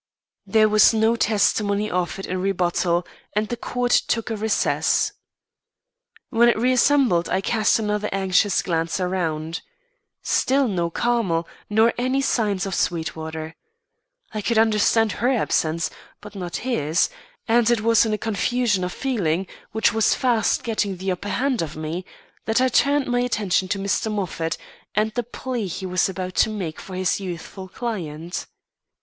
There was no testimony offered in rebuttal and the court took a recess. When it reassembled I cast another anxious glance around. Still no Carmel, nor any signs of Sweetwater. I could understand her absence, but not his, and it was in a confusion of feeling which was fast getting the upper hand of me, that I turned my attention to Mr. Moffat and the plea he was about to make for his youthful client.